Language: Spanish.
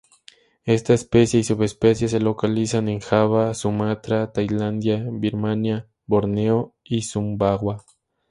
Esta especie y subespecies se localizan en Java, Sumatra, Tailandia, Birmania, Borneo y Sumbawa.